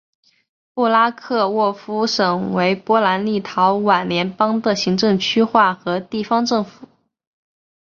布拉克沃夫省为波兰立陶宛联邦的行政区划和地方政府。